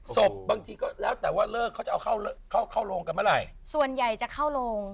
บางทีก็แล้วแต่ว่าเลิกเขาจะเอาเข้าเข้าโรงกันเมื่อไหร่ส่วนใหญ่จะเข้าโรง